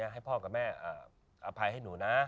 ให้พ่อกับแม่อภัยให้หนูนะ